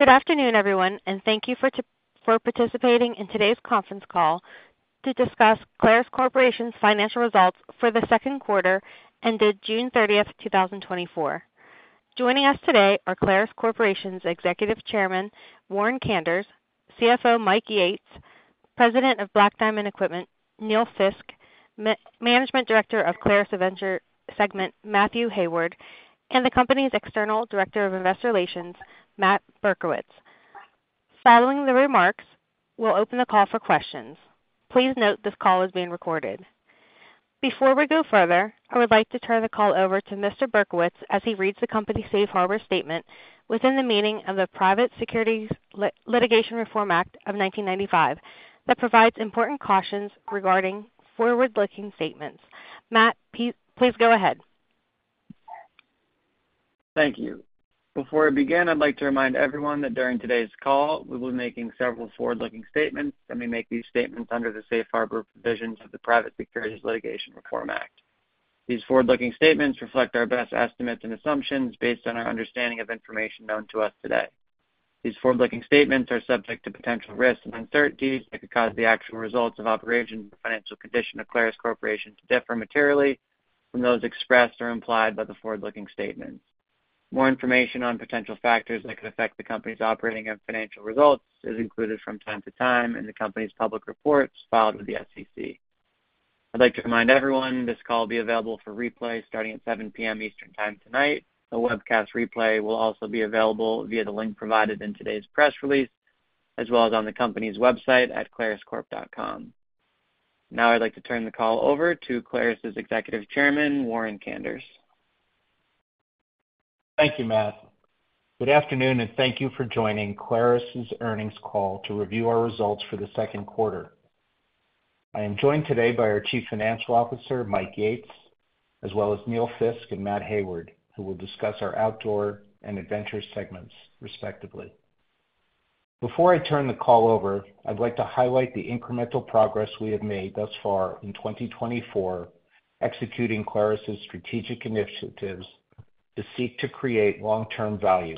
Good afternoon, everyone, and thank you for participating in today's conference call to discuss Clarus Corporation's financial results for the second quarter ended June 30th, 2024. Joining us today are Clarus Corporation's Executive Chairman, Warren Kanders, CFO Mike Yates, President of Black Diamond Equipment, Neil Fiske, Managing Director of Clarus's Adventure Segment, Matt Hayward, and the company's External Director of Investor Relations, Matt Berkowitz. Following the remarks, we'll open the call for questions. Please note this call is being recorded. Before we go further, I would like to turn the call over to Mr. Berkowitz as he reads the company's safe harbor statement within the meaning of the Private Securities Litigation Reform Act of 1995 that provides important cautions regarding forward-looking statements. Matt, please go ahead. Thank you. Before I begin, I'd like to remind everyone that during today's call, we will be making several forward-looking statements, and we make these statements under the safe harbor provisions of the Private Securities Litigation Reform Act. These forward-looking statements reflect our best estimates and assumptions based on our understanding of information known to us today. These forward-looking statements are subject to potential risks and uncertainties that could cause the actual results of operations and financial condition of Clarus Corporation to differ materially from those expressed or implied by the forward-looking statements. More information on potential factors that could affect the company's operating and financial results is included from time to time in the company's public reports filed with the SEC. I'd like to remind everyone this call will be available for replay starting at 7:00 P.M. Eastern Time tonight. The webcast replay will also be available via the link provided in today's press release, as well as on the company's website at claruscorp.com. Now, I'd like to turn the call over to Clarus's Executive Chairman, Warren Kanders. Thank you, Matt. Good afternoon, and thank you for joining Clarus's earnings call to review our results for the second quarter. I am joined today by our Chief Financial Officer, Mike Yates, as well as Neil Fiske and Matt Hayward, who will discuss our outdoor and adventure segments, respectively. Before I turn the call over, I'd like to highlight the incremental progress we have made thus far in 2024 executing Clarus's strategic initiatives to seek to create long-term value.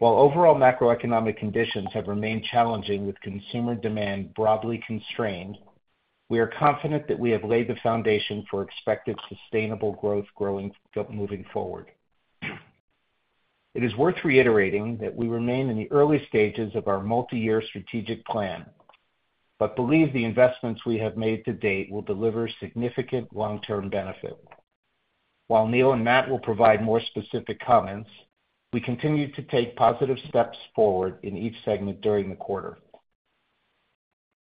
While overall macroeconomic conditions have remained challenging with consumer demand broadly constrained, we are confident that we have laid the foundation for expected sustainable growth moving forward. It is worth reiterating that we remain in the early stages of our multi-year strategic plan, but believe the investments we have made to date will deliver significant long-term benefit. While Neil and Matt will provide more specific comments, we continue to take positive steps forward in each segment during the quarter.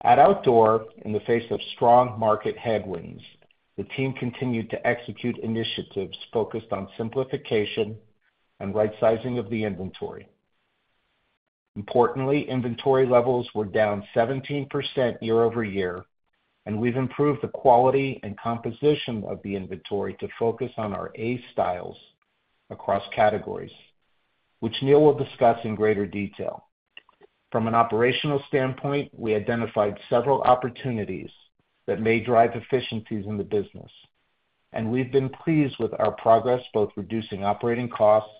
At outdoor, in the face of strong market headwinds, the team continued to execute initiatives focused on simplification and right-sizing of the inventory. Importantly, inventory levels were down 17% year-over-year, and we've improved the quality and composition of the inventory to focus on our A styles across categories, which Neil will discuss in greater detail. From an operational standpoint, we identified several opportunities that may drive efficiencies in the business, and we've been pleased with our progress, both reducing operating costs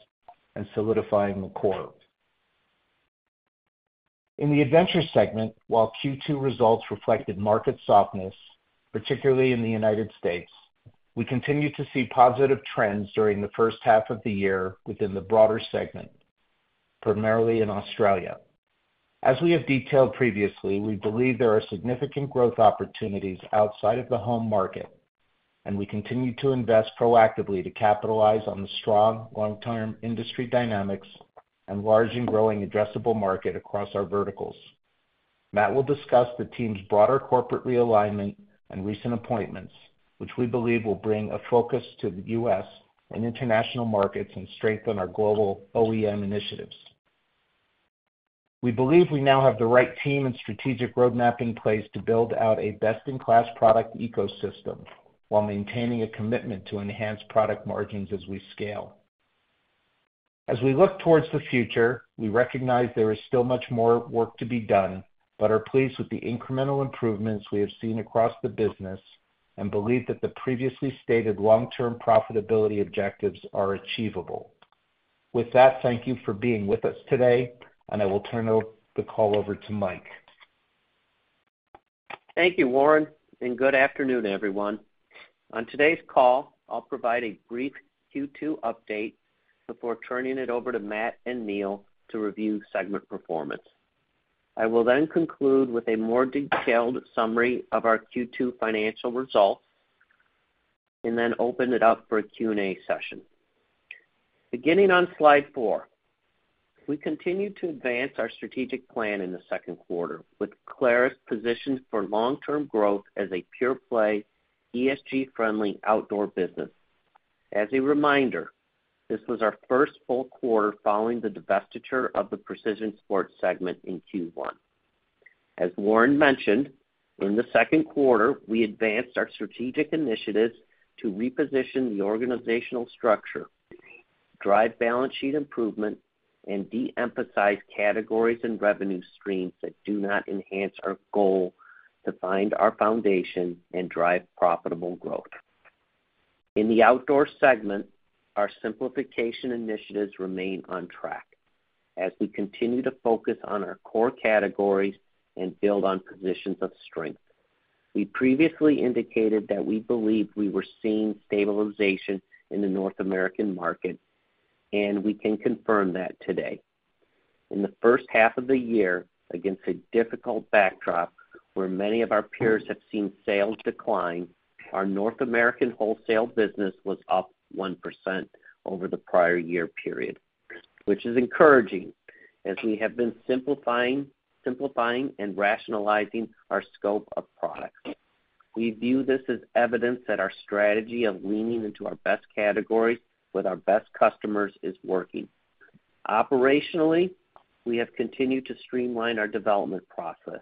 and solidifying the core. In the adventure segment, while Q2 results reflected market softness, particularly in the United States, we continue to see positive trends during the first half of the year within the broader segment, primarily in Australia. As we have detailed previously, we believe there are significant growth opportunities outside of the home market, and we continue to invest proactively to capitalize on the strong long-term industry dynamics and large and growing addressable market across our verticals. Matt will discuss the team's broader corporate realignment and recent appointments, which we believe will bring a focus to the U.S. and international markets and strengthen our global OEM initiatives. We believe we now have the right team and strategic roadmap in place to build out a best-in-class product ecosystem while maintaining a commitment to enhance product margins as we scale. As we look towards the future, we recognize there is still much more work to be done, but are pleased with the incremental improvements we have seen across the business and believe that the previously stated long-term profitability objectives are achievable. With that, thank you for being with us today, and I will turn the call over to Mike. Thank you, Warren, and good afternoon, everyone. On today's call, I'll provide a brief Q2 update before turning it over to Matt and Neil to review segment performance. I will then conclude with a more detailed summary of our Q2 financial results and then open it up for a Q&A session. Beginning on slide 4, we continue to advance our strategic plan in the second quarter with Clarus positioned for long-term growth as a pure-play, ESG-friendly outdoor business. As a reminder, this was our first full quarter following the divestiture of the precision sports segment in Q1. As Warren mentioned, in the second quarter, we advanced our strategic initiatives to reposition the organizational structure, drive balance sheet improvement, and de-emphasize categories and revenue streams that do not enhance our goal to find our foundation and drive profitable growth. In the outdoor segment, our simplification initiatives remain on track as we continue to focus on our core categories and build on positions of strength. We previously indicated that we believed we were seeing stabilization in the North American market, and we can confirm that today. In the first half of the year, against a difficult backdrop where many of our peers have seen sales decline, our North American wholesale business was up 1% over the prior year period, which is encouraging as we have been simplifying and rationalizing our scope of products. We view this as evidence that our strategy of leaning into our best categories with our best customers is working. Operationally, we have continued to streamline our development process,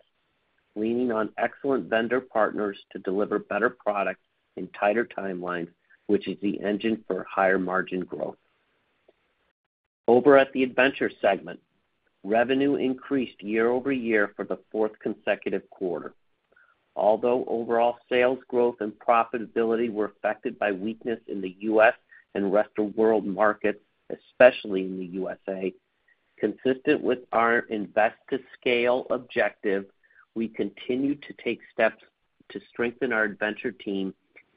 leaning on excellent vendor partners to deliver better products in tighter timelines, which is the engine for higher margin growth. Over at the adventure segment, revenue increased year-over-year for the fourth consecutive quarter. Although overall sales growth and profitability were affected by weakness in the U.S. and rest of world markets, especially in the USA, consistent with our invest-to-scale objective, we continue to take steps to strengthen our adventure team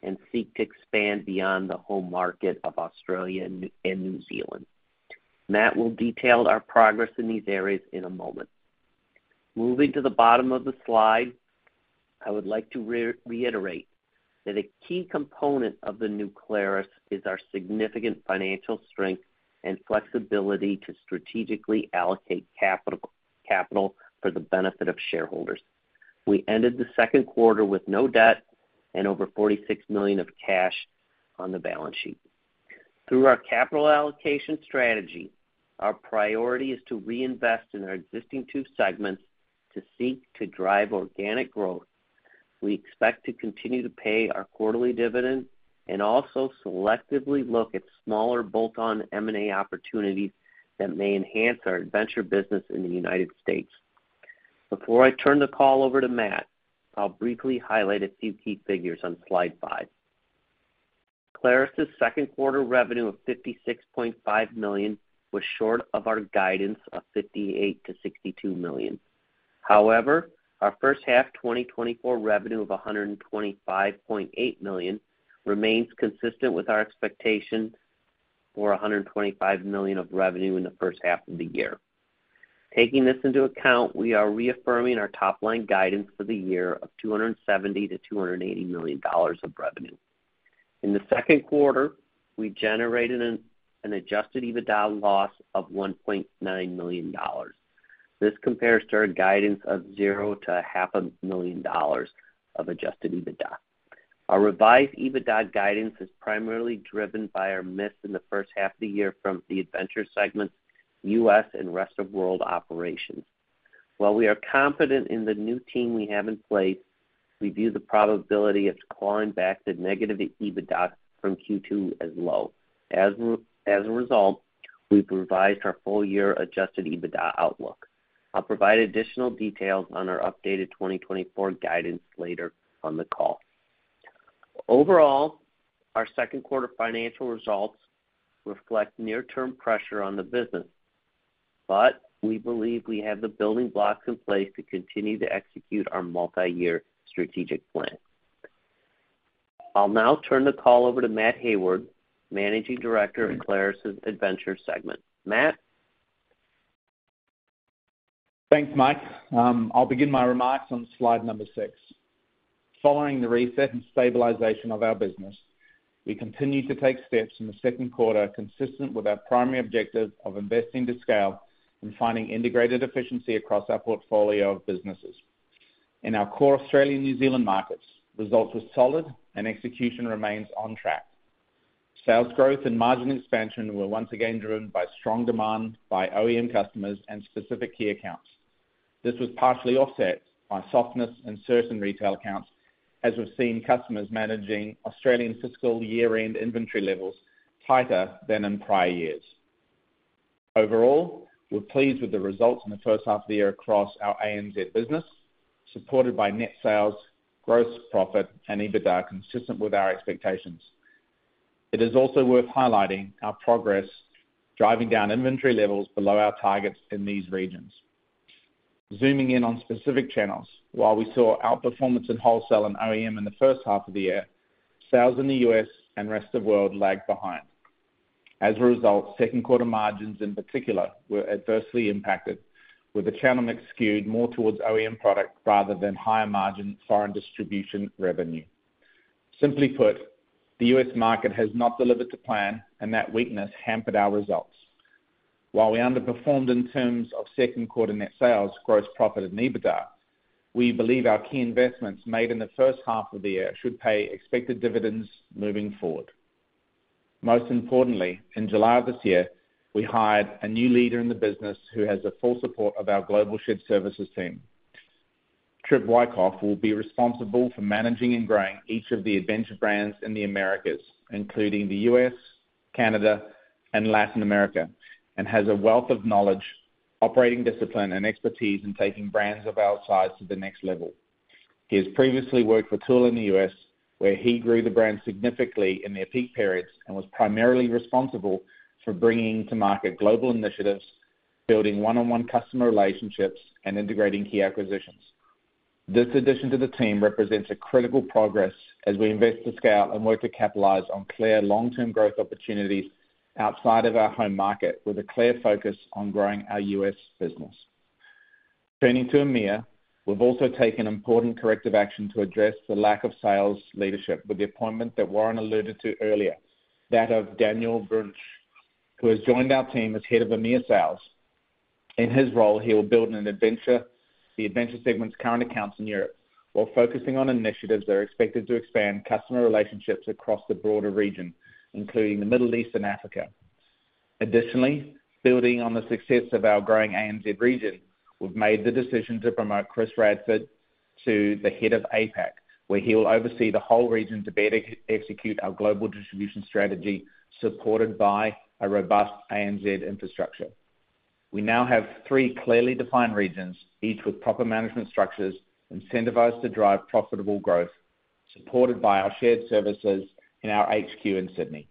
and seek to expand beyond the home market of Australia and New Zealand. Matt will detail our progress in these areas in a moment. Moving to the bottom of the slide, I would like to reiterate that a key component of the new Clarus is our significant financial strength and flexibility to strategically allocate capital for the benefit of shareholders. We ended the second quarter with no debt and over $46 million of cash on the balance sheet. Through our capital allocation strategy, our priority is to reinvest in our existing two segments to seek to drive organic growth. We expect to continue to pay our quarterly dividend and also selectively look at smaller bolt-on M&A opportunities that may enhance our adventure business in the United States. Before I turn the call over to Matt, I'll briefly highlight a few key figures on slide five. Clarus's second quarter revenue of $56.5 million was short of our guidance of $58 million-$62 million. However, our first half 2024 revenue of $125.8 million remains consistent with our expectation for $125 million of revenue in the first half of the year. Taking this into account, we are reaffirming our top-line guidance for the year of $270 million-$280 million of revenue. In the second quarter, we generated an Adjusted EBITDA loss of $1.9 million. This compares to our guidance of $0-$500,000 of Adjusted EBITDA. Our revised EBITDA guidance is primarily driven by our miss in the first half of the year from the adventure segments, U.S. and rest of world operations. While we are confident in the new team we have in place, we view the probability of clawing back the negative EBITDA from Q2 as low. As a result, we've revised our full-year Adjusted EBITDA outlook. I'll provide additional details on our updated 2024 guidance later on the call. Overall, our second quarter financial results reflect near-term pressure on the business, but we believe we have the building blocks in place to continue to execute our multi-year strategic plan. I'll now turn the call over to Matt Hayward, Managing Director of Clarus's adventure segment. Matt. Thanks, Mike. I'll begin my remarks on slide number 6. Following the reset and stabilization of our business, we continue to take steps in the second quarter consistent with our primary objective of investing to scale and finding integrated efficiency across our portfolio of businesses. In our core Australia and New Zealand markets, results were solid, and execution remains on track. Sales growth and margin expansion were once again driven by strong demand by OEM customers and specific key accounts. This was partially offset by softness in certain retail accounts, as we've seen customers managing Australian fiscal year-end inventory levels tighter than in prior years. Overall, we're pleased with the results in the first half of the year across our ANZ business, supported by net sales, gross profit, and EBITDA consistent with our expectations. It is also worth highlighting our progress driving down inventory levels below our targets in these regions. Zooming in on specific channels, while we saw outperformance in wholesale and OEM in the first half of the year, sales in the U.S. and rest of world lagged behind. As a result, second quarter margins in particular were adversely impacted, with the channel mix skewed more towards OEM product rather than higher margin foreign distribution revenue. Simply put, the U.S. market has not delivered to plan, and that weakness hampered our results. While we underperformed in terms of second quarter net sales, gross profit, and EBITDA, we believe our key investments made in the first half of the year should pay expected dividends moving forward. Most importantly, in July of this year, we hired a new leader in the business who has the full support of our global shared services team. Trip Wyckoff will be responsible for managing and growing each of the adventure brands in the Americas, including the U.S., Canada, and Latin America, and has a wealth of knowledge, operating discipline, and expertise in taking brands of our size to the next level. He has previously worked for Thule in the U.S., where he grew the brand significantly in their peak periods and was primarily responsible for bringing to market global initiatives, building one-on-one customer relationships, and integrating key acquisitions. This addition to the team represents a critical progress as we invest to scale and work to capitalize on clear long-term growth opportunities outside of our home market with a clear focus on growing our U.S. business. Turning to EMEA, we've also taken important corrective action to address the lack of sales leadership with the appointment that Warren alluded to earlier, that of Daniel Brunsch, who has joined our team as head of EMEA sales. In his role, he will build the adventure segment's current accounts in Europe while focusing on initiatives that are expected to expand customer relationships across the broader region, including the Middle East and Africa. Additionally, building on the success of our growing ANZ region, we've made the decision to promote Chris Radford to the head of APAC, where he will oversee the whole region to better execute our global distribution strategy supported by a robust ANZ infrastructure. We now have three clearly defined regions, each with proper management structures incentivized to drive profitable growth, supported by our shared services in our HQ in Sydney.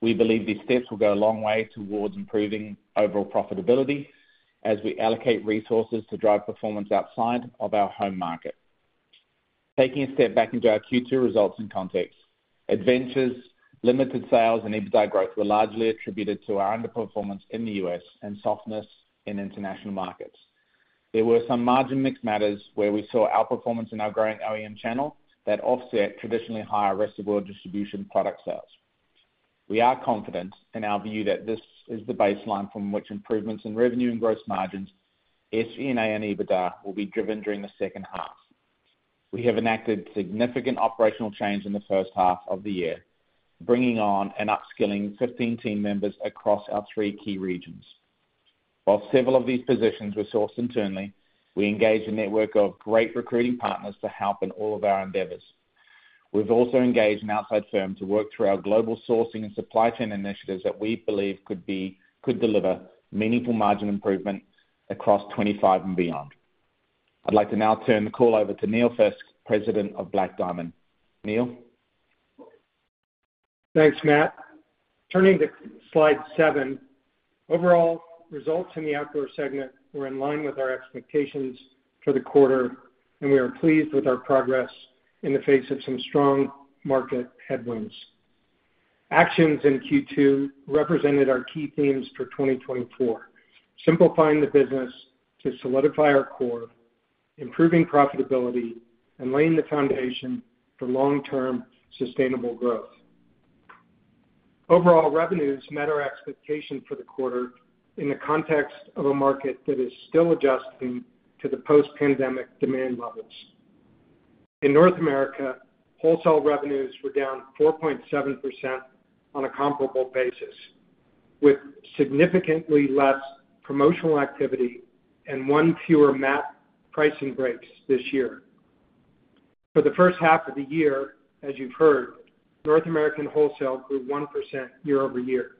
We believe these steps will go a long way towards improving overall profitability as we allocate resources to drive performance outside of our home market. Taking a step back into our Q2 results and context, Adventure's limited sales and EBITDA growth were largely attributed to our underperformance in the U.S. and softness in international markets. There were some margin mix matters where we saw outperformance in our growing OEM channel that offset traditionally higher rest of world distribution product sales. We are confident in our view that this is the baseline from which improvements in revenue and gross margins, SG&A, and EBITDA will be driven during the second half. We have enacted significant operational change in the first half of the year, bringing on and upskilling 15 team members across our three key regions. While several of these positions were sourced internally, we engaged a network of great recruiting partners to help in all of our endeavors. We've also engaged an outside firm to work through our global sourcing and supply chain initiatives that we believe could deliver meaningful margin improvement across 2025 and beyond. I'd like to now turn the call over to Neil Fiske, President of Black Diamond. Neil. Thanks, Matt. Turning to slide 7, overall results in the outdoor segment were in line with our expectations for the quarter, and we are pleased with our progress in the face of some strong market headwinds. Actions in Q2 represented our key themes for 2024: simplifying the business to solidify our core, improving profitability, and laying the foundation for long-term sustainable growth. Overall revenues met our expectation for the quarter in the context of a market that is still adjusting to the post-pandemic demand levels. In North America, wholesale revenues were down 4.7% on a comparable basis, with significantly less promotional activity and one fewer MAP pricing breaks this year. For the first half of the year, as you've heard, North American wholesale grew 1% year-over-year.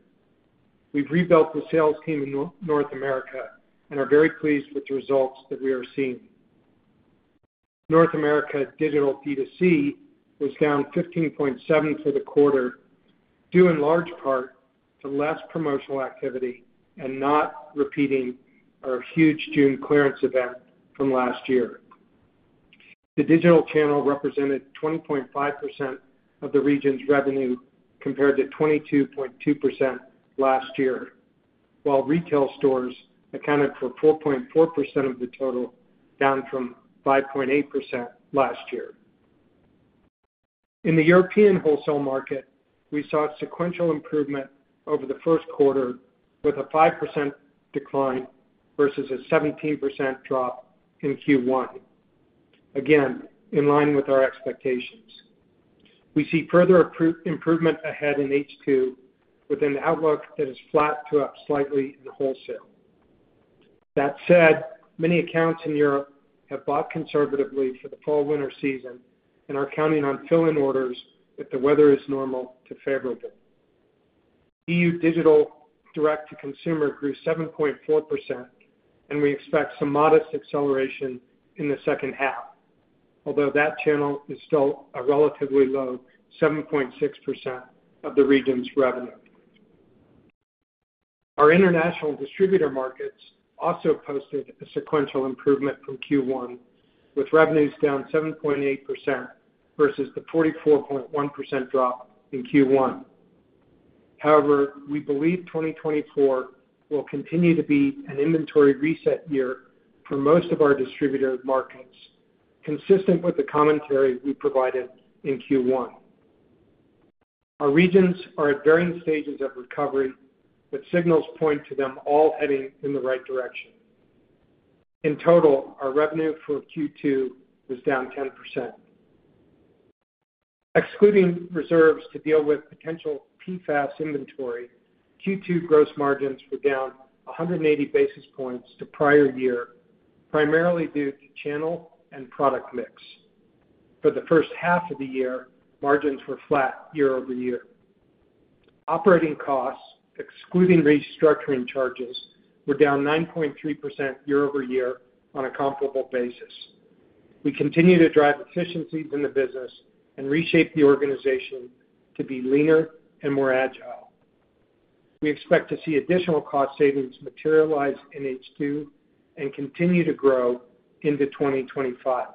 We've rebuilt the sales team in North America and are very pleased with the results that we are seeing. North America digital B2C was down 15.7% for the quarter, due in large part to less promotional activity and not repeating our huge June clearance event from last year. The digital channel represented 20.5% of the region's revenue compared to 22.2% last year, while retail stores accounted for 4.4% of the total, down from 5.8% last year. In the European wholesale market, we saw sequential improvement over the first quarter, with a 5% decline versus a 17% drop in Q1, again in line with our expectations. We see further improvement ahead in H2 with an outlook that is flat to up slightly in wholesale. That said, many accounts in Europe have bought conservatively for the fall/winter season and are counting on fill-in orders if the weather is normal to favorable. EU digital direct-to-consumer grew 7.4%, and we expect some modest acceleration in the second half, although that channel is still a relatively low 7.6% of the region's revenue. Our international distributor markets also posted a sequential improvement from Q1, with revenues down 7.8% versus the 44.1% drop in Q1. However, we believe 2024 will continue to be an inventory reset year for most of our distributor markets, consistent with the commentary we provided in Q1. Our regions are at varying stages of recovery, but signals point to them all heading in the right direction. In total, our revenue for Q2 was down 10%. Excluding reserves to deal with potential PFAS inventory, Q2 gross margins were down 180 basis points to prior year, primarily due to channel and product mix. For the first half of the year, margins were flat year over year. Operating costs, excluding restructuring charges, were down 9.3% year-over-year on a comparable basis. We continue to drive efficiencies in the business and reshape the organization to be leaner and more agile. We expect to see additional cost savings materialize in H2 and continue to grow into 2025.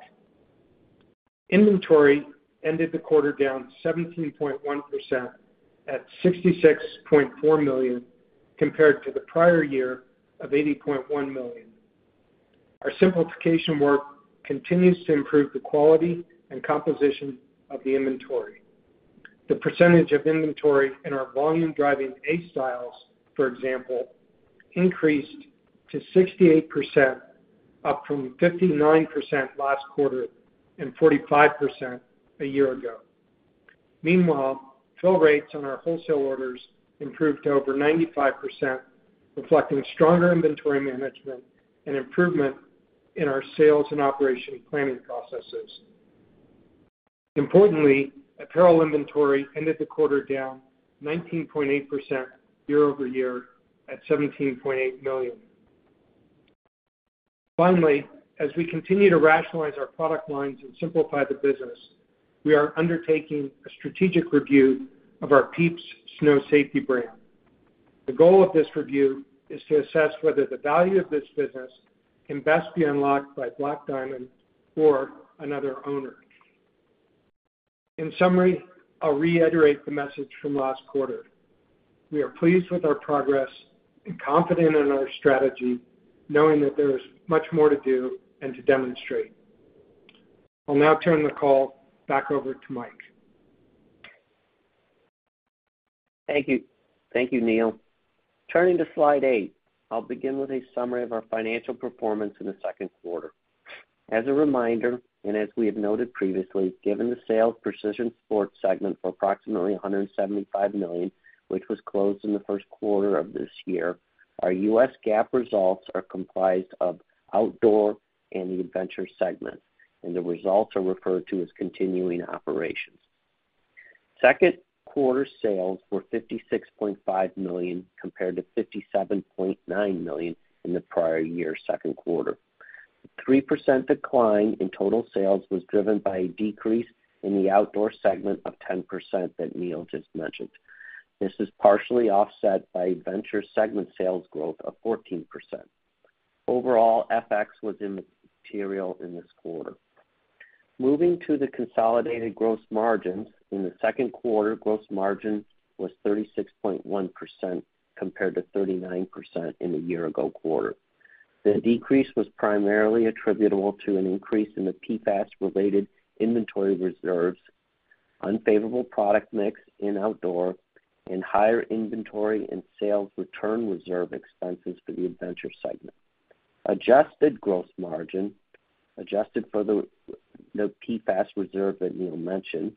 Inventory ended the quarter down 17.1% at $66.4 million compared to the prior year of $80.1 million. Our simplification work continues to improve the quality and composition of the inventory. The percentage of inventory in our volume-driving A styles, for example, increased to 68%, up from 59% last quarter and 45% a year ago. Meanwhile, fill rates on our wholesale orders improved to over 95%, reflecting stronger inventory management and improvement in our sales and operation planning processes. Importantly, apparel inventory ended the quarter down 19.8% year-over-year at $17.8 million. Finally, as we continue to rationalize our product lines and simplify the business, we are undertaking a strategic review of our PIEPS Snow Safety brand. The goal of this review is to assess whether the value of this business can best be unlocked by Black Diamond or another owner. In summary, I'll reiterate the message from last quarter. We are pleased with our progress and confident in our strategy, knowing that there is much more to do and to demonstrate. I'll now turn the call back over to Mike. Thank you. Thank you, Neil. Turning to slide eight, I'll begin with a summary of our financial performance in the second quarter. As a reminder, and as we have noted previously, given the sale of the Precision Sports segment for approximately $175 million, which was closed in the first quarter of this year, our U.S. GAAP results are comprised of outdoor and the adventure segment, and the results are referred to as continuing operations. Second quarter sales were $56.5 million compared to $57.9 million in the prior year's second quarter. 3% decline in total sales was driven by a decrease in the outdoor segment of 10% that Neil just mentioned. This is partially offset by adventure segment sales growth of 14%. Overall, FX was immaterial in this quarter. Moving to the consolidated gross margins, in the second quarter, gross margin was 36.1% compared to 39% in the year-ago quarter. The decrease was primarily attributable to an increase in the PFAS-related inventory reserves, unfavorable product mix in outdoor, and higher inventory and sales return reserve expenses for the adventure segment. Adjusted gross margin, adjusted for the PFAS reserve that Neil mentioned,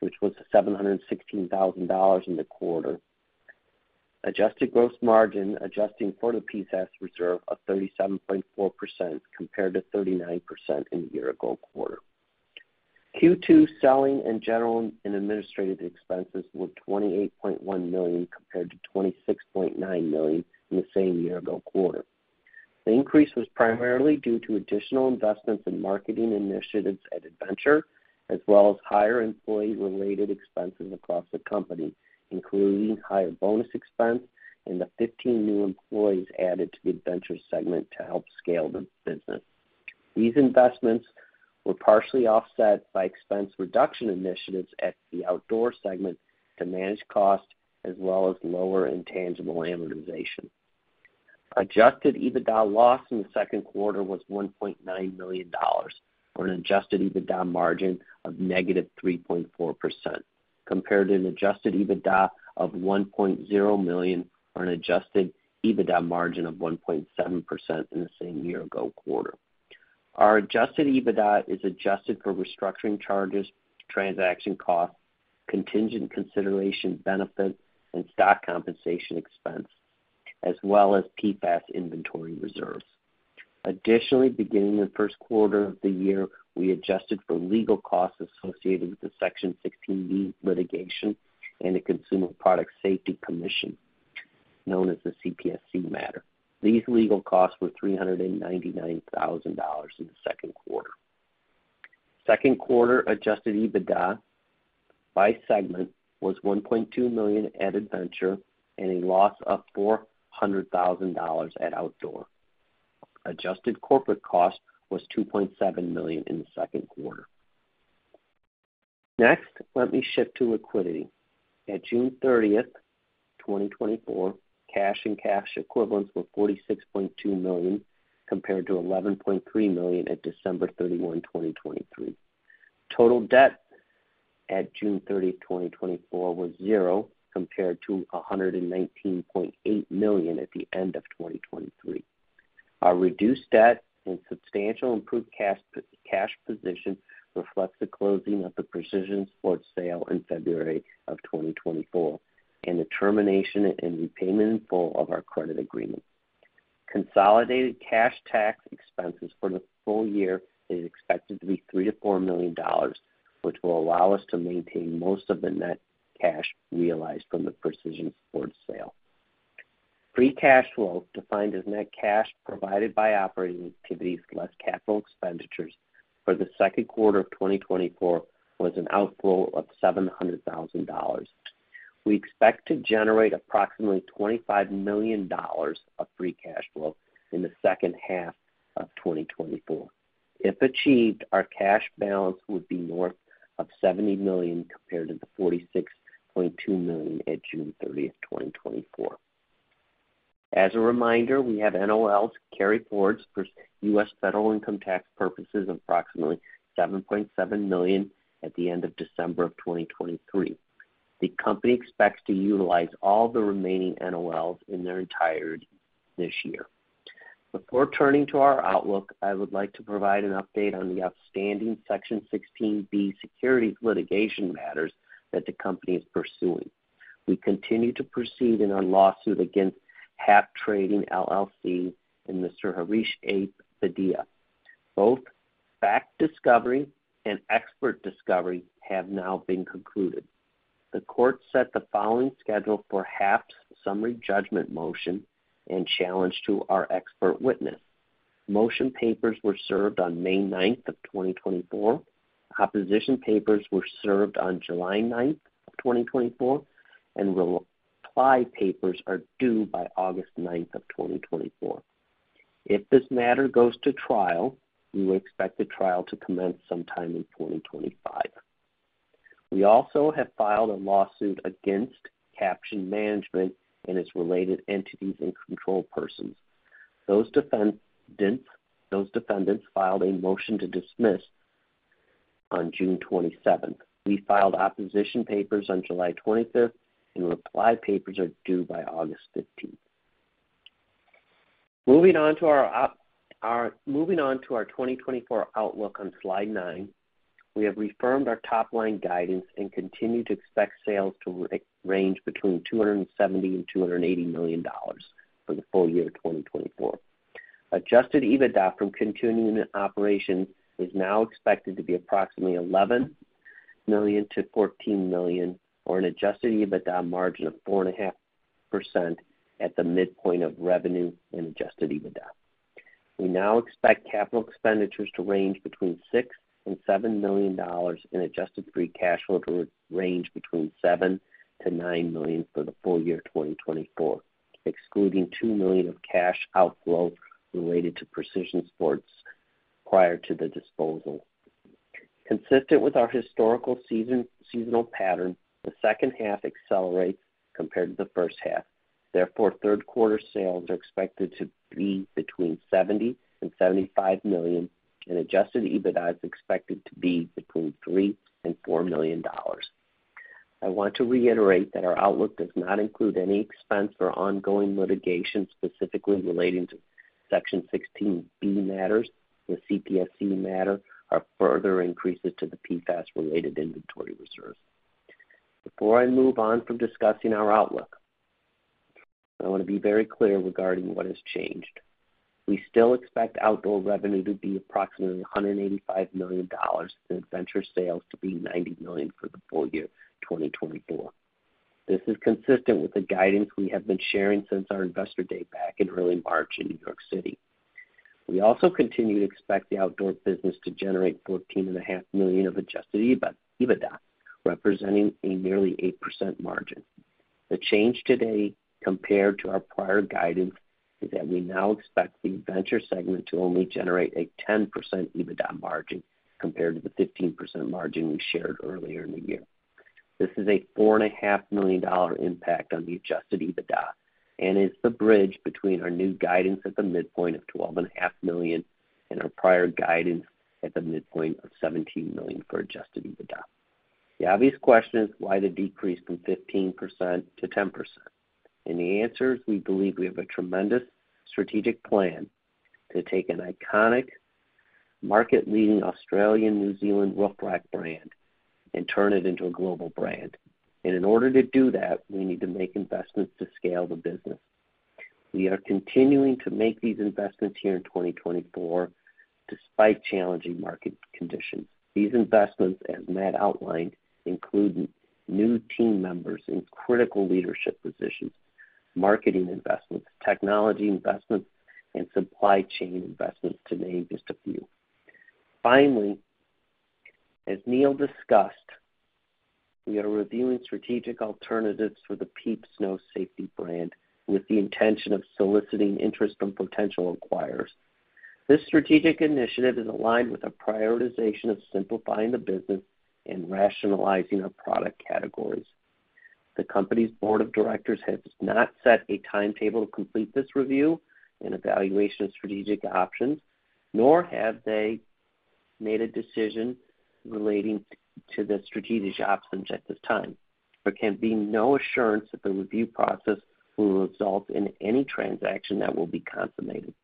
which was $716,000 in the quarter, adjusted gross margin adjusting for the PFAS reserve of 37.4% compared to 39% in the year-ago quarter. Q2 selling and general and administrative expenses were $28.1 million compared to $26.9 million in the same year-ago quarter. The increase was primarily due to additional investments in marketing initiatives at adventure, as well as higher employee-related expenses across the company, including higher bonus expense and the 15 new employees added to the adventure segment to help scale the business. These investments were partially offset by expense reduction initiatives at the outdoor segment to manage costs, as well as lower intangible amortization. Adjusted EBITDA loss in the second quarter was $1.9 million for an Adjusted EBITDA margin of -3.4%, compared to an Adjusted EBITDA of $1.0 million for an Adjusted EBITDA margin of 1.7% in the same year-ago quarter. Our Adjusted EBITDA is adjusted for restructuring charges, transaction costs, contingent consideration benefits, and stock compensation expense, as well as PFAS inventory reserves. Additionally, beginning the first quarter of the year, we adjusted for legal costs associated with the Section 16(b) litigation and the Consumer Product Safety Commission, known as the CPSC matter. These legal costs were $399,000 in the second quarter. Second quarter adjusted EBITDA by segment was $1.2 million at adventure and a loss of $400,000 at outdoor. Adjusted corporate cost was $2.7 million in the second quarter. Next, let me shift to liquidity. At June 30, 2024, cash and cash equivalents were $46.2 million compared to $11.3 million at December 31, 2023. Total debt at June 30, 2024, was $0 compared to $119.8 million at the end of 2023. Our reduced debt and substantial improved cash position reflects the closing of the precision sports sale in February of 2024 and the termination and repayment in full of our credit agreement. Consolidated cash tax expenses for the full year are expected to be $3 million-$4 million, which will allow us to maintain most of the net cash realized from the precision sports sale. Free cash flow, defined as net cash provided by operating activities less capital expenditures for the second quarter of 2024, was an outflow of $700,000. We expect to generate approximately $25 million of free cash flow in the second half of 2024. If achieved, our cash balance would be north of $70 million compared to the $46.2 million at June 30, 2024. As a reminder, we have NOLs carried forward for U.S. federal income tax purposes of approximately $7.7 million at the end of December of 2023. The company expects to utilize all the remaining NOLs in their entirety this year. Before turning to our outlook, I would like to provide an update on the outstanding Section 16(b) securities litigation matters that the company is pursuing. We continue to proceed in our lawsuit against HAP Trading LLC and Mr. Harsh A. Padia. Both fact discovery and expert discovery have now been concluded. The court set the following schedule for HAP's summary judgment motion and challenge to our expert witness. Motion papers were served on May 9, 2024. Opposition papers were served on July 9, 2024, and reply papers are due by August 9, 2024. If this matter goes to trial, we would expect the trial to commence sometime in 2025. We also have filed a lawsuit against Caption Management and its related entities and control persons. Those defendants filed a motion to dismiss on June 27. We filed opposition papers on July 25, and reply papers are due by August 15. Moving on to our 2024 outlook on slide 9, we have reaffirmed our top-line guidance and continue to expect sales to range between $270 million and $280 million for the full year of 2024. Adjusted EBITDA from continuing operations is now expected to be approximately $11 million-$14 million, or an Adjusted EBITDA margin of 4.5% at the midpoint of revenue and Adjusted EBITDA. We now expect capital expenditures to range between $6 million-$7 million and adjusted free cash flow to range between $7 million-$9 million for the full year of 2024, excluding $2 million of cash outflow related to precision sports prior to the disposal. Consistent with our historical seasonal pattern, the second half accelerates compared to the first half. Therefore, third quarter sales are expected to be between $70 million-$75 million, and Adjusted EBITDA is expected to be between $3 million-$4 million. I want to reiterate that our outlook does not include any expense for ongoing litigation specifically relating to Section 16(b) matters, the CPSC matter, or further increases to the PFAS-related inventory reserves. Before I move on from discussing our outlook, I want to be very clear regarding what has changed. We still expect outdoor revenue to be approximately $185 million and adventure sales to be $90 million for the full year of 2024. This is consistent with the guidance we have been sharing since our investor day back in early March in New York City. We also continue to expect the outdoor business to generate $14.5 million of Adjusted EBITDA, representing a nearly 8% margin. The change today compared to our prior guidance is that we now expect the adventure segment to only generate a 10% EBITDA margin compared to the 15% margin we shared earlier in the year. This is a $4.5 million impact on the Adjusted EBITDA and is the bridge between our new guidance at the midpoint of $12.5 million and our prior guidance at the midpoint of $17 million for Adjusted EBITDA. The obvious question is, why the decrease from 15% to 10%? The answer is, we believe we have a tremendous strategic plan to take an iconic, market-leading Australian-New Zealand recovery track brand and turn it into a global brand. In order to do that, we need to make investments to scale the business. We are continuing to make these investments here in 2024 despite challenging market conditions. These investments, as Matt outlined, include new team members in critical leadership positions, marketing investments, technology investments, and supply chain investments to name just a few. Finally, as Neil discussed, we are reviewing strategic alternatives for the PIEPS Snow Safety brand with the intention of soliciting interest from potential acquirers. This strategic initiative is aligned with our prioritization of simplifying the business and rationalizing our product categories. The company's board of directors has not set a timetable to complete this review and evaluation of strategic options, nor have they made a decision relating to the strategic options at this time. There can be no assurance that the review process will result in any transaction that will be consummated.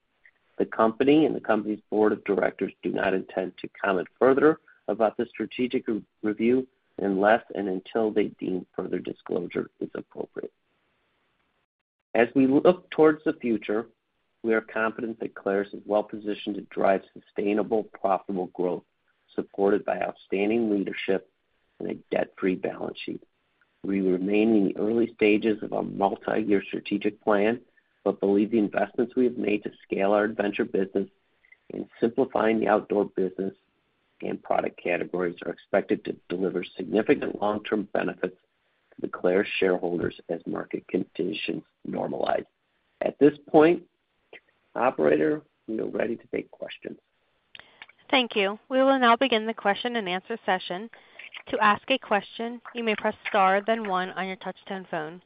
The company and the company's board of directors do not intend to comment further about the strategic review unless and until they deem further disclosure is appropriate. As we look towards the future, we are confident that Clarus is well-positioned to drive sustainable, profitable growth supported by outstanding leadership and a debt-free balance sheet. We remain in the early stages of our multi-year strategic plan, but believe the investments we have made to scale our adventure business and simplifying the outdoor business and product categories are expected to deliver significant long-term benefits to the Clarus shareholders as market conditions normalize. At this point, Operator, we are ready to take questions. Thank you. We will now begin the question and answer session. To ask a question, you may press star, then one on your touch-tone phone.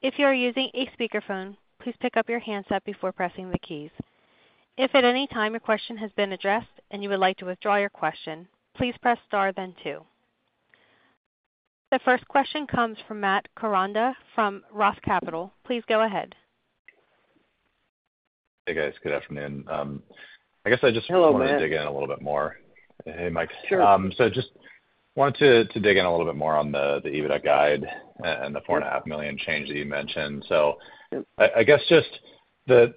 If you are using a speakerphone, please pick up your handset before pressing the keys. If at any time your question has been addressed and you would like to withdraw your question, please press star, then two. The first question comes from Matt Koranda from Roth Capital. Please go ahead. Hey, guys. Good afternoon. I guess I just wanted to dig in a little bit more. Hey, Mike. Sure. So just wanted to dig in a little bit more on the EBITDA guide and the $4.5 million change that you mentioned. So I guess just the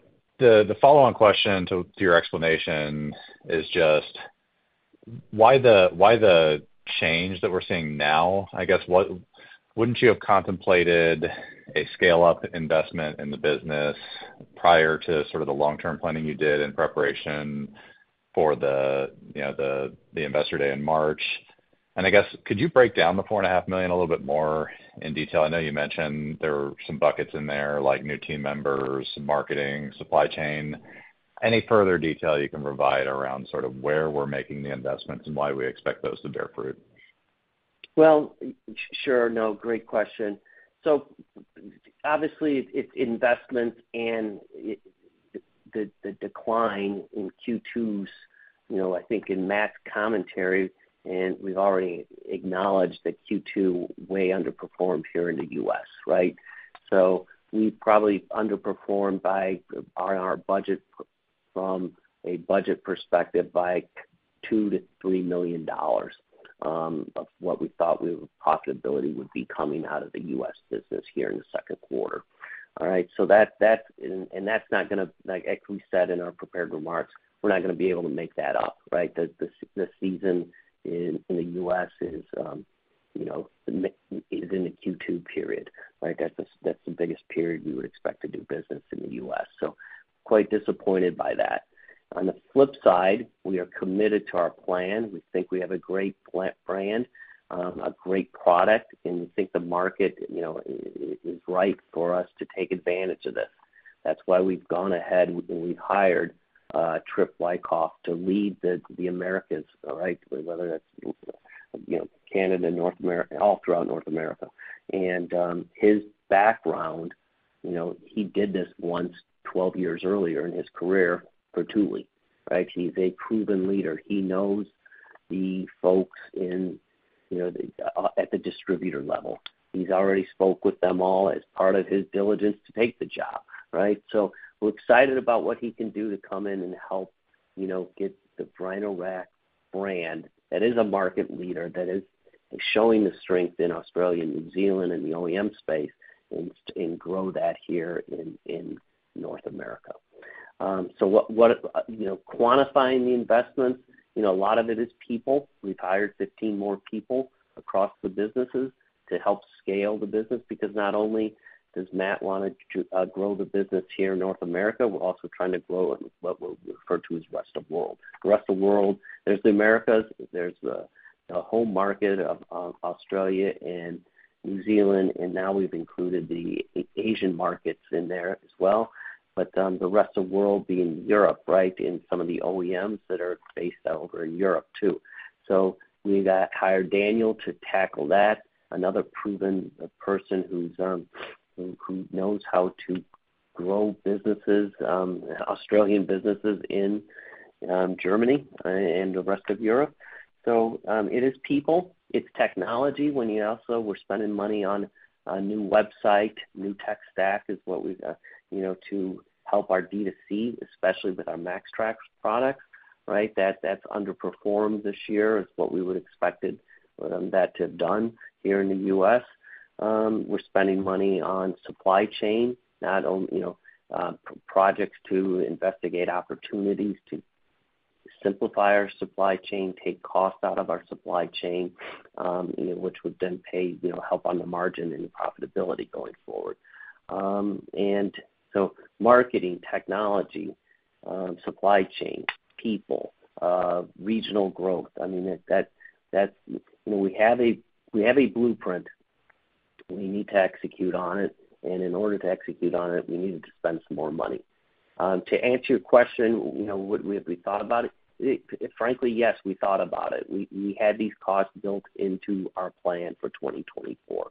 follow-on question to your explanation is just, why the change that we're seeing now? I guess, wouldn't you have contemplated a scale-up investment in the business prior to sort of the long-term planning you did in preparation for the investor day in March? And I guess, could you break down the $4.5 million a little bit more in detail? I know you mentioned there were some buckets in there, like new team members, marketing, supply chain. Any further detail you can provide around sort of where we're making the investments and why we expect those to bear fruit? Well, sure. No, great question. So obviously, it's investments and the decline in Q2s, I think, in Matt's commentary, and we've already acknowledged that Q2 way underperformed here in the U.S., right? So we probably underperformed by our budget from a budget perspective by $2 million-$3 million of what we thought we were profitability would be coming out of the U.S. business here in the second quarter. All right? And that's not going to, like we said in our prepared remarks, we're not going to be able to make that up, right? The season in the U.S. is in the Q2 period, right? That's the biggest period we would expect to do business in the U.S. So quite disappointed by that. On the flip side, we are committed to our plan. We think we have a great brand, a great product, and we think the market is ripe for us to take advantage of this. That's why we've gone ahead and we've hired Trip Wyckoff to lead the Americas, right? Whether that's Canada, North America, all throughout North America. And his background, he did this once 12 years earlier in his career for Thule, right? He's a proven leader. He knows the folks at the distributor level. He's already spoke with them all as part of his diligence to take the job, right? So we're excited about what he can do to come in and help get the Rhino-Rack brand that is a market leader that is showing the strength in Australia and New Zealand and the OEM space and grow that here in North America. So quantifying the investments, a lot of it is people. We've hired 15 more people across the businesses to help scale the business because not only does Matt want to grow the business here in North America, we're also trying to grow what we'll refer to as the rest of the world. The rest of the world, there's the Americas, there's the whole market of Australia and New Zealand, and now we've included the Asian markets in there as well. But the rest of the world being Europe, right? And some of the OEMs that are based out over in Europe too. So we've hired Daniel to tackle that, another proven person who knows how to grow businesses, Australian businesses in Germany and the rest of Europe. So it is people, it's technology. When you also were spending money on a new website, new tech stack is what we've got to help our D2C, especially with our MAXTRAX products, right? That's underperformed this year, is what we would have expected that to have done here in the U.S. We're spending money on supply chain, not only projects to investigate opportunities to simplify our supply chain, take costs out of our supply chain, which would then help on the margin and profitability going forward. And so marketing, technology, supply chain, people, regional growth. I mean, we have a blueprint. We need to execute on it. And in order to execute on it, we need to spend some more money. To answer your question, have we thought about it? Frankly, yes, we thought about it. We had these costs built into our plan for 2024.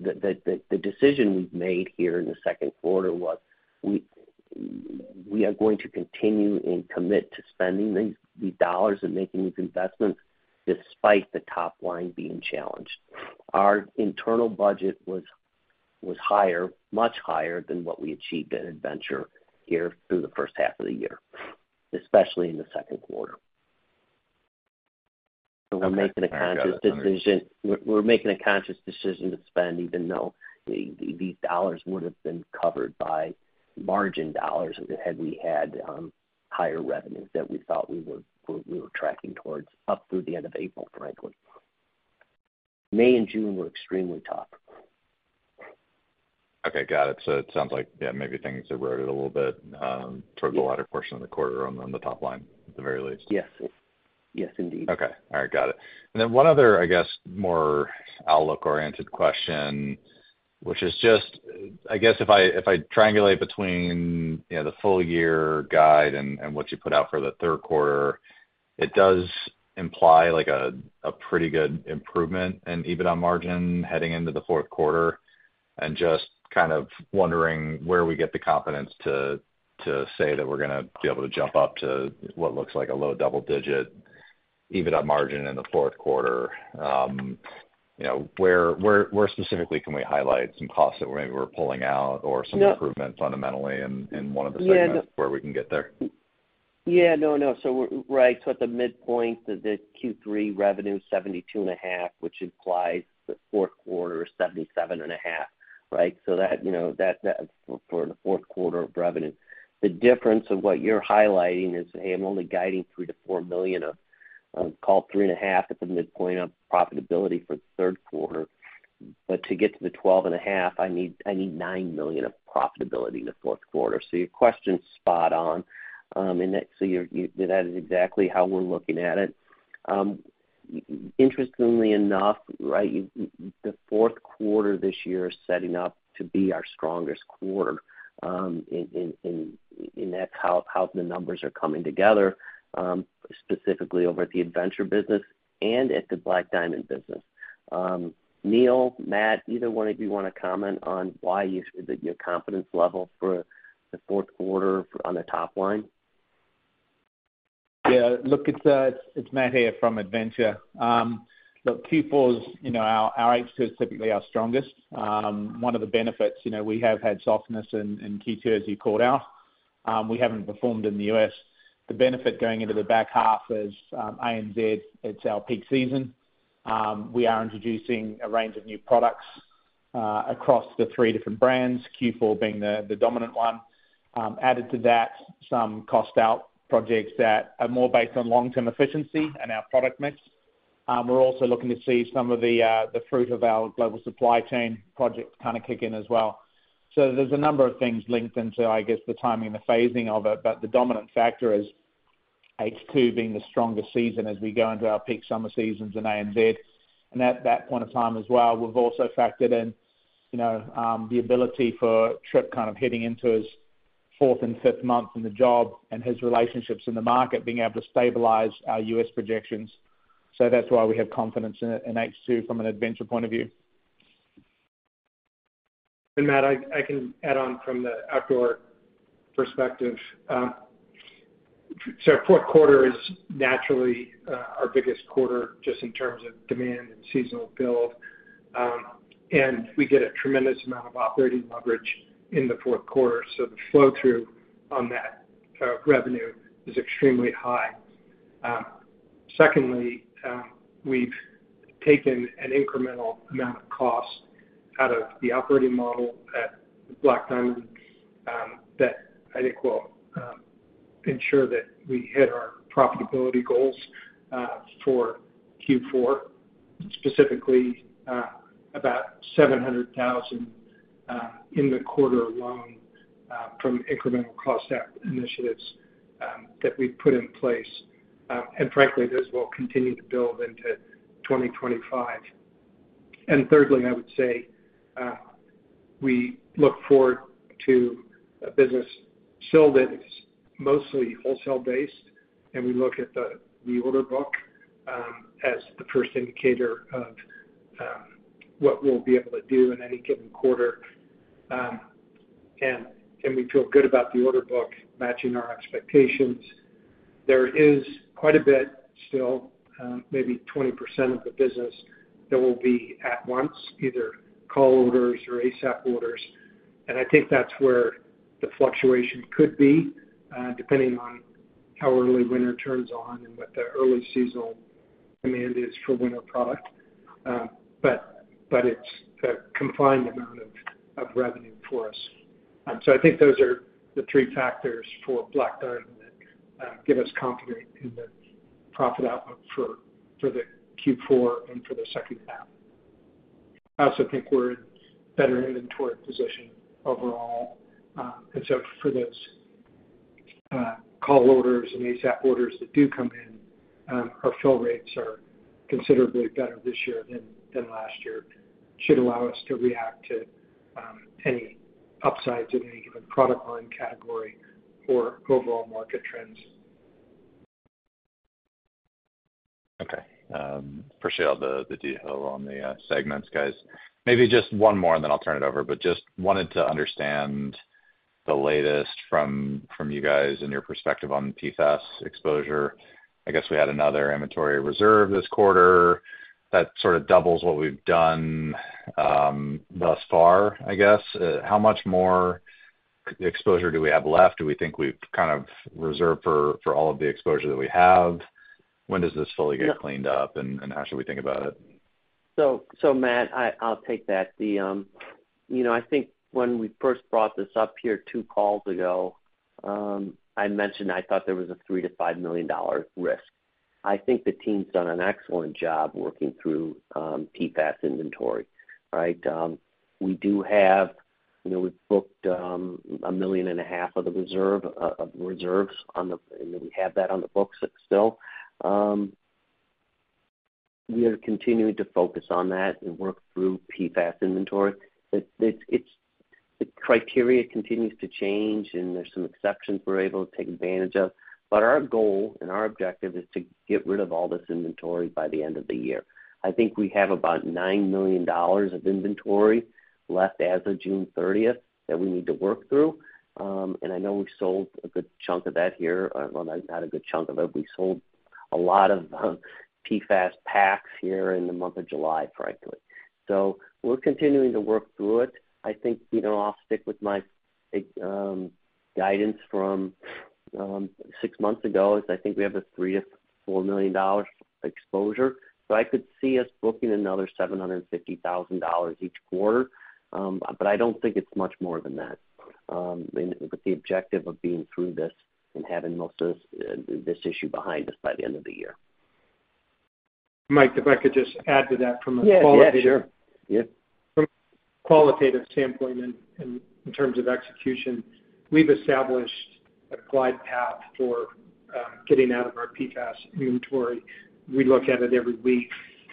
The decision we've made here in the second quarter was we are going to continue and commit to spending these dollars and making these investments despite the top line being challenged. Our internal budget was higher, much higher than what we achieved at adventure here through the first half of the year, especially in the second quarter. We're making a conscious decision. We're making a conscious decision to spend even though these dollars would have been covered by margin dollars had we had higher revenues that we thought we were tracking towards up through the end of April, frankly. May and June were extremely tough. Okay. Got it. So it sounds like, yeah, maybe things eroded a little bit towards the latter portion of the quarter on the top line, at the very least. Yes. Yes, indeed. Okay. All right. Got it. And then one other, I guess, more outlook-oriented question, which is just, I guess, if I triangulate between the full year guide and what you put out for the third quarter, it does imply a pretty good improvement in EBITDA margin heading into the fourth quarter. And just kind of wondering where we get the confidence to say that we're going to be able to jump up to what looks like a low double-digit EBITDA margin in the fourth quarter. Where specifically can we highlight some costs that maybe we're pulling out or some improvement fundamentally in one of the segments where we can get there? Yeah. No, no. So right at the midpoint, the Q3 revenue is $72.5 million, which implies the fourth quarter is $77.5 million, right? So that for the fourth quarter of revenue. The difference of what you're highlighting is, hey, I'm only guiding $3 million-$4 million, call $3.5 million at the midpoint of profitability for the third quarter. But to get to the $12.5 million, I need $9 million of profitability in the fourth quarter. So your question's spot on. And so that is exactly how we're looking at it. Interestingly enough, right, the fourth quarter this year is setting up to be our strongest quarter. And that's how the numbers are coming together, specifically over at the adventure business and at the Black Diamond business. Neil, Matt, either one of you want to comment on why your confidence level for the fourth quarter on the top line? Yeah. Look, it's Matt here from Adventure. Look, Q4s, our extras typically are strongest. One of the benefits, we have had softness in Q2 as you called out. We haven't performed in the U.S. The benefit going into the back half is ANZ, it's our peak season. We are introducing a range of new products across the three different brands, Q4 being the dominant one. Added to that, some cost-out projects that are more based on long-term efficiency and our product mix. We're also looking to see some of the fruit of our global supply chain project kind of kick in as well. So there's a number of things linked into, I guess, the timing and the phasing of it. But the dominant factor is H2 being the strongest season as we go into our peak summer seasons in ANZ. At that point of time as well, we've also factored in the ability for Trip kind of hitting into his fourth and fifth month in the job and his relationships in the market being able to stabilize our U.S. projections. That's why we have confidence in H2 from an adventure point of view. Matt, I can add on from the outdoor perspective. Fourth quarter is naturally our biggest quarter just in terms of demand and seasonal build. We get a tremendous amount of operating leverage in the fourth quarter. The flow-through on that revenue is extremely high. Secondly, we've taken an incremental amount of cost out of the operating model at Black Diamond that I think will ensure that we hit our profitability goals for Q4, specifically about $700,000 in the quarter alone from incremental cost initiatives that we've put in place. And frankly, those will continue to build into 2025. And thirdly, I would say we look forward to a business still that is mostly wholesale-based. And we look at the order book as the first indicator of what we'll be able to do in any given quarter. We feel good about the order book matching our expectations. There is quite a bit still, maybe 20% of the business that will be at once, either call orders or ASAP orders. And I think that's where the fluctuation could be, depending on how early winter turns on and what the early seasonal demand is for winter product. But it's a confined amount of revenue for us. So I think those are the three factors for Black Diamond that give us confidence in the profit outlook for the Q4 and for the second half. I also think we're in a better inventory position overall. And so for those call orders and ASAP orders that do come in, our fill rates are considerably better this year than last year. It should allow us to react to any upsides in any given product line category or overall market trends. Okay. For sure, the detail on the segments, guys. Maybe just one more, and then I'll turn it over. But just wanted to understand the latest from you guys and your perspective on PFAS exposure. I guess we had another inventory reserve this quarter. That sort of doubles what we've done thus far, I guess. How much more exposure do we have left? Do we think we've kind of reserved for all of the exposure that we have? When does this fully get cleaned up, and how should we think about it? So, Matt, I'll take that. I think when we first brought this up here two calls ago, I mentioned I thought there was a $3 million-$5 million risk. I think the team's done an excellent job working through PFAS inventory, right? We've booked $1.5 million of the reserves on the books. We have that on the books still. We are continuing to focus on that and work through PFAS inventory. The criteria continues to change, and there's some exceptions we're able to take advantage of. But our goal and our objective is to get rid of all this inventory by the end of the year. I think we have about $9 million of inventory left as of June 30th that we need to work through. And I know we sold a good chunk of that here. Well, not a good chunk of it. We sold a lot of PFAS packs here in the month of July, frankly. So we're continuing to work through it. I think I'll stick with my guidance from six months ago is I think we have a $3 million-$4 million exposure. So I could see us booking another $750,000 each quarter. But I don't think it's much more than that. With the objective of being through this and having most of this issue behind us by the end of the year. Mike, if I could just add to that from a qualitative. Yeah, sure. Yeah. From a qualitative standpoint and in terms of execution, we've established a glide path for getting out of our PFAS inventory. We look at it every week.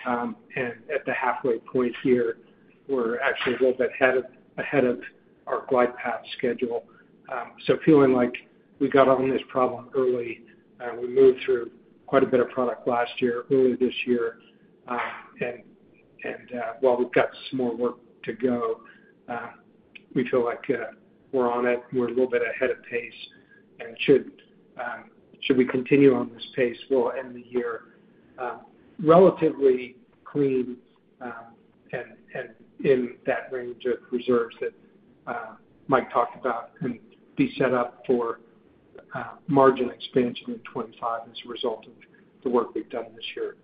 And at the halfway point here, we're actually a little bit ahead of our glide path schedule. So feeling like we got on this problem early, we moved through quite a bit of product last year, early this year. And while we've got some more work to go, we feel like we're on it. We're a little bit ahead of pace. And should we continue on this pace, we'll end the year relatively clean and in that range of reserves that Mike talked about and be set up for margin expansion in 2025 as a result of the work we've done this year.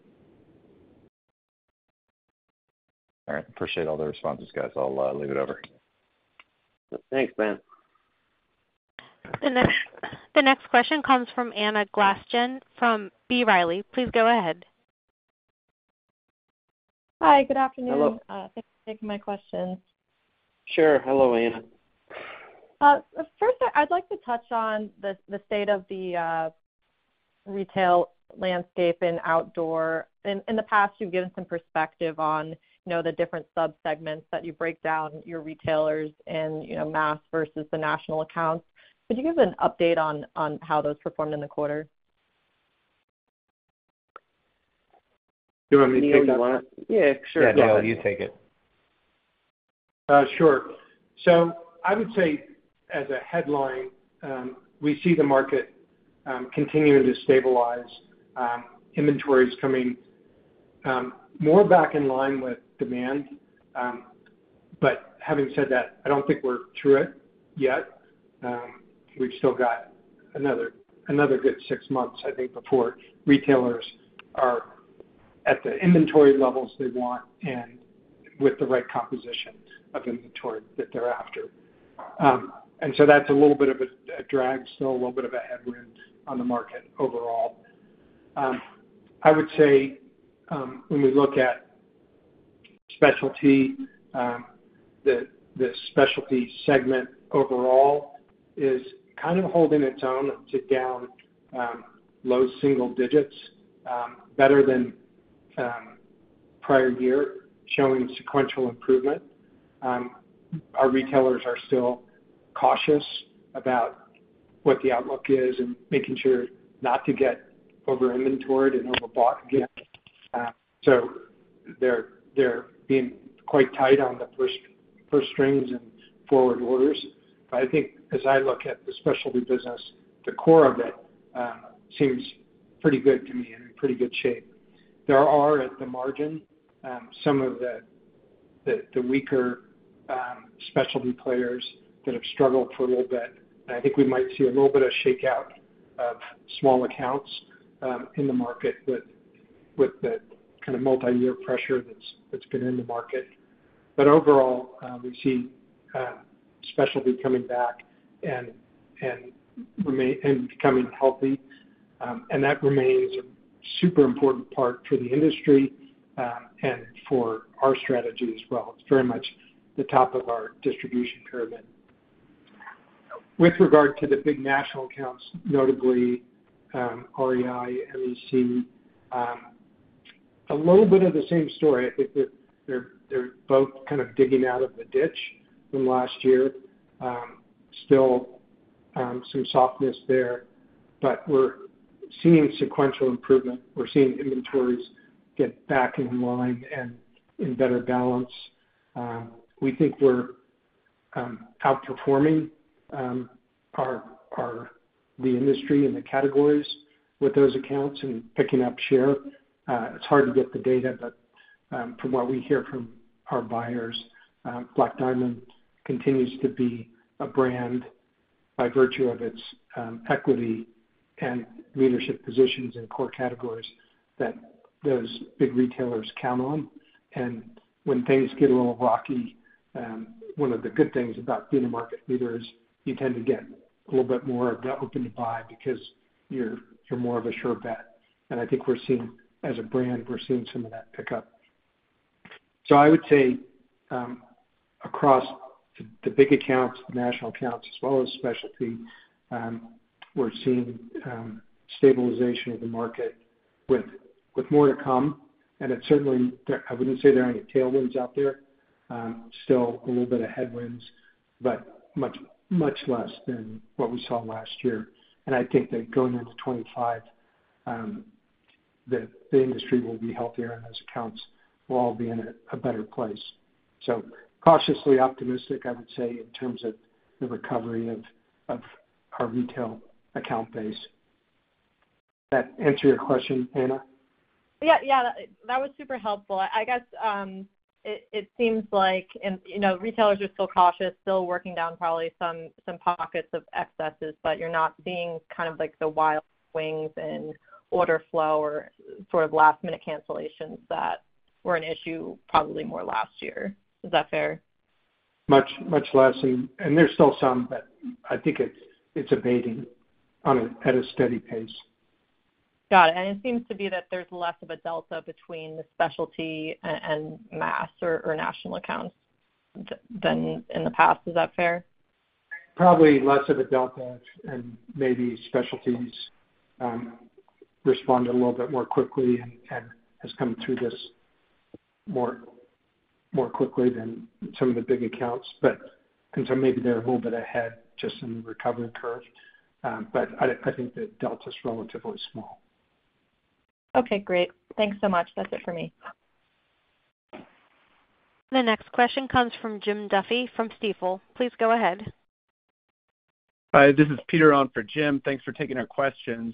All right. Appreciate all the responses, guys. I'll leave it over. Thanks, Ben. The next question comes from Anna Glaessgen from B. Riley. Please go ahead. Hi. Good afternoon. Hello. Thanks for taking my questions. Sure. Hello, Anna. First, I'd like to touch on the state of the retail landscape in outdoor. In the past, you've given some perspective on the different subsegments that you break down your retailers and mass versus the national accounts. Could you give an update on how those performed in the quarter? Do you want me to take that one? Yeah. Sure. Yeah. Yeah. You take it. Sure. So I would say as a headline, we see the market continuing to stabilize. Inventory is coming more back in line with demand. But having said that, I don't think we're through it yet. We've still got another good six months, I think, before retailers are at the inventory levels they want and with the right composition of inventory that they're after. And so that's a little bit of a drag, still a little bit of a headwind on the market overall. I would say when we look at specialty, the specialty segment overall is kind of holding its own to down low single digits, better than prior year, showing sequential improvement. Our retailers are still cautious about what the outlook is and making sure not to get over-inventoried and overbought again. So they're being quite tight on the purse strings and forward orders. But I think as I look at the specialty business, the core of it seems pretty good to me and in pretty good shape. There are at the margin some of the weaker specialty players that have struggled for a little bit. And I think we might see a little bit of shakeout of small accounts in the market with the kind of multi-year pressure that's been in the market. But overall, we see specialty coming back and becoming healthy. And that remains a super important part for the industry and for our strategy as well. It's very much the top of our distribution pyramid. With regard to the big national accounts, notably REI, MEC, a little bit of the same story. I think they're both kind of digging out of the ditch from last year. Still some softness there. But we're seeing sequential improvement. We're seeing inventories get back in line and in better balance. We think we're outperforming the industry and the categories with those accounts and picking up share. It's hard to get the data, but from what we hear from our buyers, Black Diamond continues to be a brand by virtue of its equity and leadership positions in core categories that those big retailers count on. And when things get a little rocky, one of the good things about being a market leader is you tend to get a little bit more of the open-to-buy because you're more of a sure bet. And I think we're seeing as a brand, we're seeing some of that pickup. So I would say across the big accounts, the national accounts, as well as specialty, we're seeing stabilization of the market with more to come. And I wouldn't say there are any tailwinds out there. Still a little bit of headwinds, but much less than what we saw last year. And I think that going into 2025, the industry will be healthier and those accounts will all be in a better place. So cautiously optimistic, I would say, in terms of the recovery of our retail account base. Does that answer your question, Anna? Yeah. Yeah. That was super helpful. I guess it seems like retailers are still cautious, still working down probably some pockets of excesses, but you're not seeing kind of the wild swings in order flow or sort of last-minute cancellations that were an issue probably more last year. Is that fair? Much less. And there's still some, but I think it's abating at a steady pace. Got it. It seems to be that there's less of a delta between the specialty and mass or national accounts than in the past. Is that fair? Probably less of a delta, and maybe specialty's responded a little bit more quickly and has come through this more quickly than some of the big accounts. And so maybe they're a little bit ahead just in the recovery curve. But I think the delta's relatively small. Okay. Great. Thanks so much. That's it for me. The next question comes from Jim Duffy from Stifel. Please go ahead. Hi. This is Peter on for Jim. Thanks for taking our questions.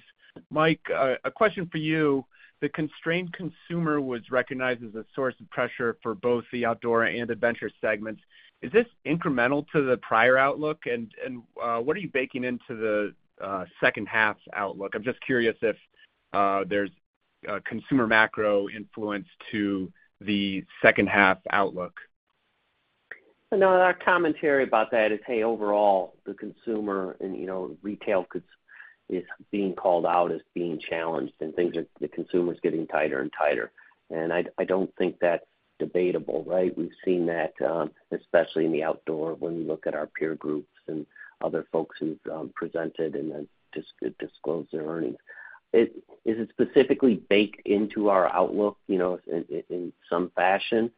Mike, a question for you. The constrained consumer was recognized as a source of pressure for both the outdoor and adventure segments. Is this incremental to the prior outlook? And what are you baking into the second half outlook? I'm just curious if there's a consumer macro influence to the second half outlook. Another commentary about that is, hey, overall, the consumer and retail is being called out as being challenged, and the consumer's getting tighter and tighter. And I don't think that's debatable, right? We've seen that, especially in the outdoor when we look at our peer groups and other folks who've presented and then disclosed their earnings. Is it specifically baked into our outlook in some fashion?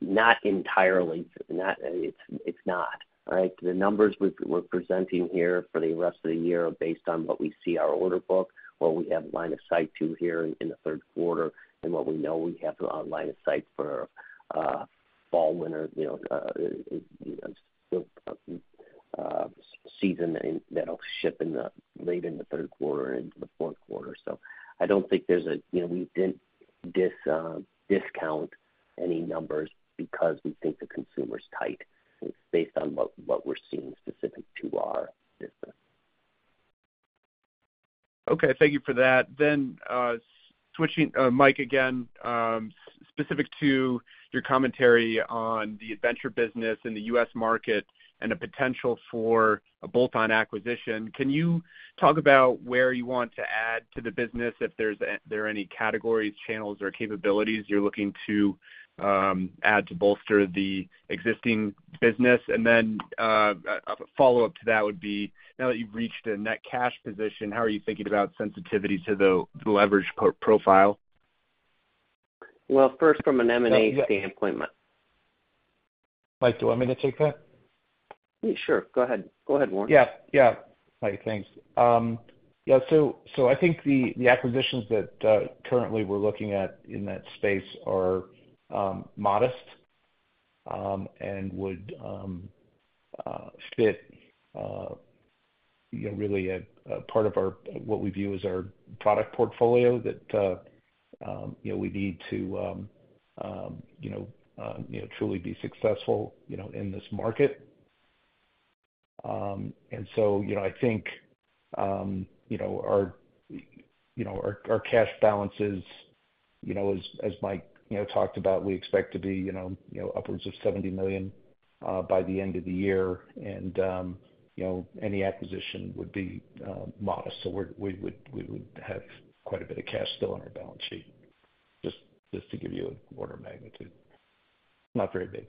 Not entirely. It's not, right? The numbers we're presenting here for the rest of the year are based on what we see our order book, what we have line of sight to here in the third quarter, and what we know we have a line of sight for fall, winter season that'll ship late in the third quarter and into the fourth quarter. So I don't think there's a we didn't discount any numbers because we think the consumer's tight. It's based on what we're seeing specific to our business. Okay. Thank you for that. Then switching Mike again, specific to your commentary on the adventure business in the U.S. market and the potential for a bolt-on acquisition, can you talk about where you want to add to the business if there are any categories, channels, or capabilities you're looking to add to bolster the existing business? And then a follow-up to that would be, now that you've reached a net cash position, how are you thinking about sensitivity to the leverage profile? Well, first from an M&A standpoint. Mike, do you want me to take that? Sure. Go ahead. Go ahead, Warren. Yeah. Yeah. Hi. Thanks. Yeah. So I think the acquisitions that currently we're looking at in that space are modest and would fit really a part of what we view as our product portfolio that we need to truly be successful in this market. And so I think our cash balances, as Mike talked about, we expect to be upwards of $70 million by the end of the year. And any acquisition would be modest. So we would have quite a bit of cash still on our balance sheet, just to give you an order of magnitude. Not very big.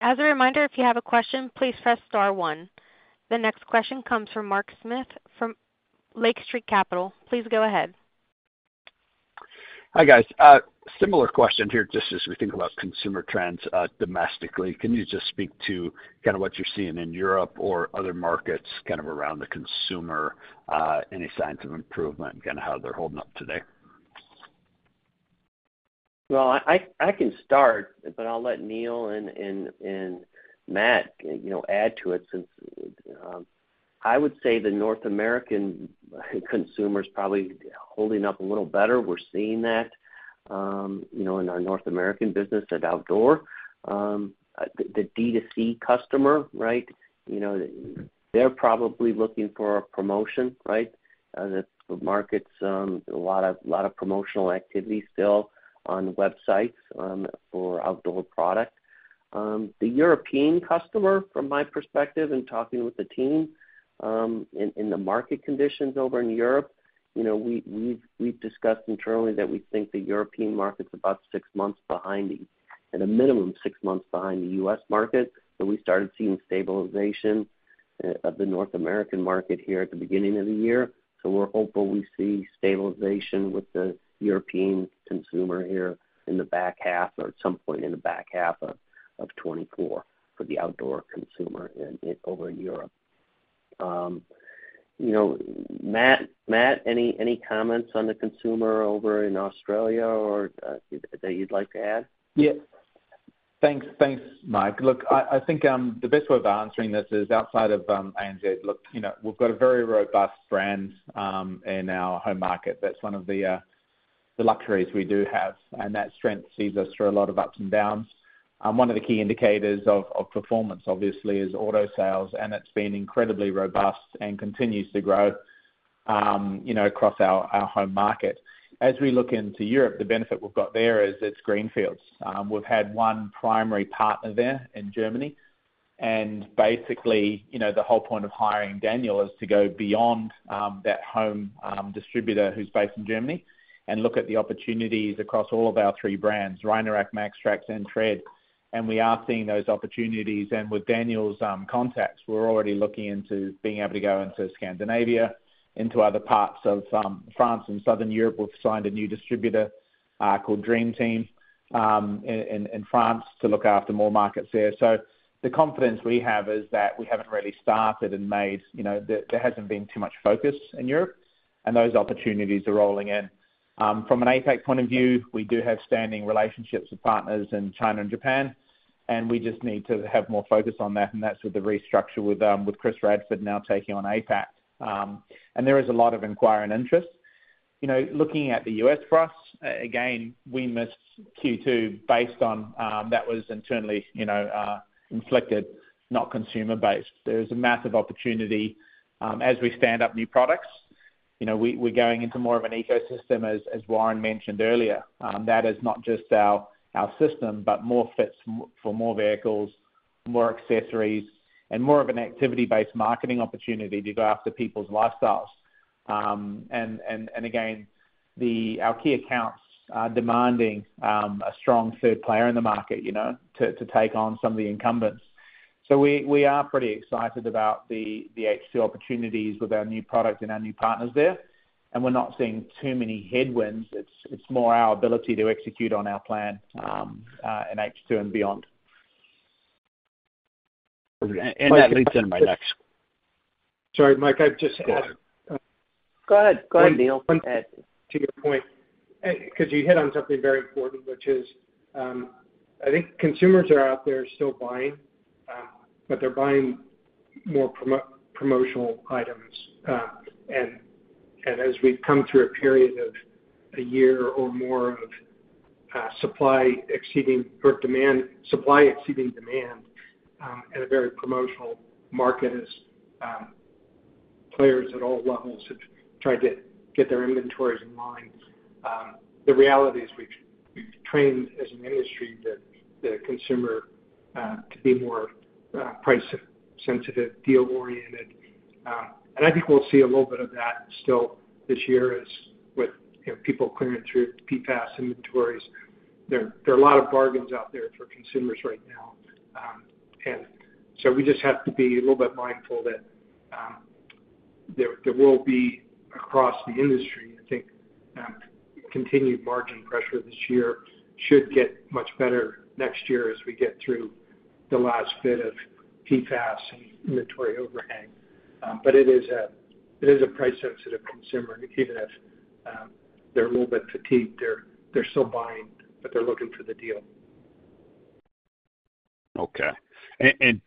As a reminder, if you have a question, please press star one. The next question comes from Mark Smith from Lake Street Capital. Please go ahead. Hi, guys. Similar question here, just as we think about consumer trends domestically. Can you just speak to kind of what you're seeing in Europe or other markets kind of around the consumer, any signs of improvement, kind of how they're holding up today? Well, I can start, but I'll let Neil and Matt add to it since I would say the North American consumer's probably holding up a little better. We're seeing that in our North American business at outdoor. The D2C customer, right? They're probably looking for a promotion, right? The market's a lot of promotional activity still on websites for outdoor product. The European customer, from my perspective and talking with the team in the market conditions over in Europe, we've discussed internally that we think the European market's about six months behind, at a minimum six months behind the U.S. market. So we started seeing stabilization of the North American market here at the beginning of the year. So we're hopeful we see stabilization with the European consumer here in the back half or at some point in the back half of 2024 for the outdoor consumer over in Europe. Matt, any comments on the consumer over in Australia that you'd like to add? Yeah. Thanks, Mike. Look, I think the best way of answering this is outside of ANZ. Look, we've got a very robust brand in our home market. That's one of the luxuries we do have. And that strength feeds us through a lot of ups and downs. One of the key indicators of performance, obviously, is auto sales. And it's been incredibly robust and continues to grow across our home market. As we look into Europe, the benefit we've got there is it's greenfield. We've had one primary partner there in Germany. And basically, the whole point of hiring Daniel is to go beyond that home distributor who's based in Germany and look at the opportunities across all of our three brands, Rhino, MAXTRAX, and TRED. And we are seeing those opportunities. With Daniel's contacts, we're already looking into being able to go into Scandinavia, into other parts of France and southern Europe. We've signed a new distributor called Dream Team in France to look after more markets there. So the confidence we have is that we haven't really started, and there hasn't been too much focus in Europe. Those opportunities are rolling in. From an APAC point of view, we do have standing relationships with partners in China and Japan. We just need to have more focus on that. That's with the restructure with Chris Radford now taking on APAC. There is a lot of inquiry and interest. Looking at the US for us, again, we missed Q2 based on that. That was internally inflicted, not consumer-based. There is a massive opportunity as we stand up new products. We're going into more of an ecosystem, as Warren mentioned earlier. That is not just our system, but more fits for more vehicles, more accessories, and more of an activity-based marketing opportunity to go after people's lifestyles. And again, our key accounts are demanding a strong third player in the market to take on some of the incumbents. So we are pretty excited about the H2 opportunities with our new product and our new partners there. And we're not seeing too many headwinds. It's more our ability to execute on our plan in H2 and beyond. That leads into my next. Sorry, Mike, I just. Go ahead. Go ahead, Neil. To your point, because you hit on something very important, which is I think consumers are out there still buying, but they're buying more promotional items. And as we've come through a period of a year or more of supply exceeding demand, supply exceeding demand in a very promotional market as players at all levels have tried to get their inventories in line. The reality is we've trained as an industry the consumer to be more price-sensitive, deal-oriented. And I think we'll see a little bit of that still this year as with people clearing through PFAS inventories. There are a lot of bargains out there for consumers right now. And so we just have to be a little bit mindful that there will be across the industry, I think, continued margin pressure this year should get much better next year as we get through the last bit of PFAS and inventory overhang. But it is a price-sensitive consumer. Even if they're a little bit fatigued, they're still buying, but they're looking for the deal. Okay. And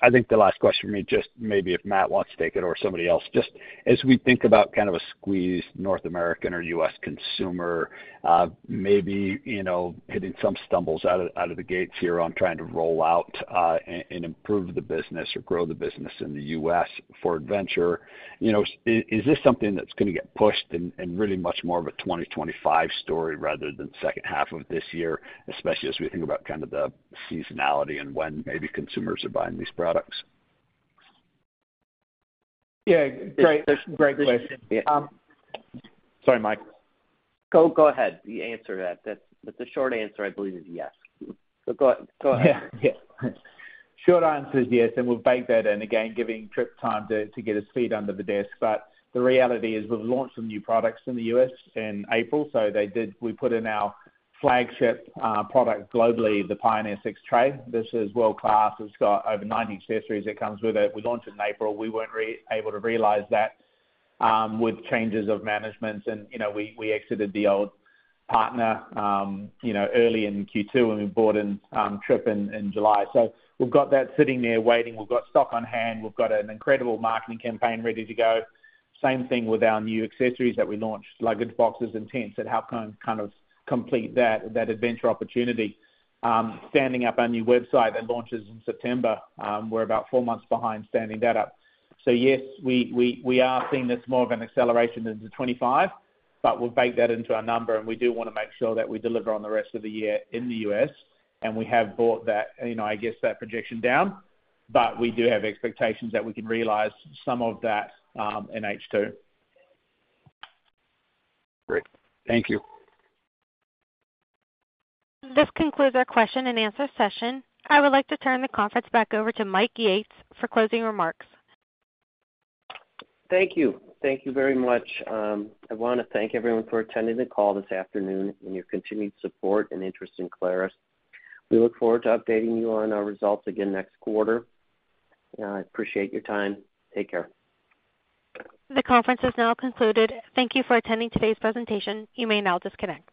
I think the last question for me just maybe if Matt wants to take it or somebody else, just as we think about kind of a squeeze North American or US consumer, maybe hitting some stumbles out of the gates here on trying to roll out and improve the business or grow the business in the US for adventure, is this something that's going to get pushed in really much more of a 2025 story rather than second half of this year, especially as we think about kind of the seasonality and when maybe consumers are buying these products? Yeah. Great question. Sorry, Mike. Go ahead. You answered that. But the short answer, I believe, is yes. So go ahead. Yeah. Yeah. Short answer is yes. And we've baked that in, again, giving Trip time to get his feet under the desk. But the reality is we've launched some new products in the U.S. in April. So we put in our flagship product globally, the Pioneer 6 Tray. This is world-class. It's got over 90 accessories that come with it. We launched it in April. We weren't able to realize that with changes of management. And we exited the old partner early in Q2, and we bought in Trip in July. So we've got that sitting there waiting. We've got stock on hand. We've got an incredible marketing campaign ready to go. Same thing with our new accessories that we launched, luggage boxes and tents that help kind of complete that adventure opportunity. Standing up our new website that launches in September. We're about four months behind standing that up. So yes, we are seeing this more of an acceleration into 2025, but we've baked that into our number. We do want to make sure that we deliver on the rest of the year in the U.S. We have brought that, I guess, that projection down. But we do have expectations that we can realize some of that in H2. Great. Thank you. This concludes our question and answer session. I would like to turn the conference back over to Mike Yates for closing remarks. Thank you. Thank you very much. I want to thank everyone for attending the call this afternoon and your continued support and interest in Clarus. We look forward to updating you on our results again next quarter. I appreciate your time. Take care. The conference has now concluded. Thank you for attending today's presentation. You may now disconnect.